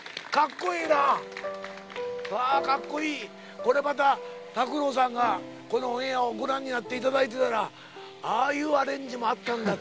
これまた拓郎さんがこのオンエアをご覧になっていただいてたらああいうアレンジもあったんだと。